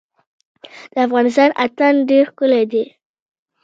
د افغانستان اتن ډیر ښکلی دی